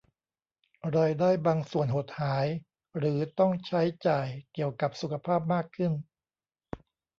รายได้บางส่วนหดหาย หรือต้องใช้จ่ายเกี่ยวกับสุขภาพมากขึ้น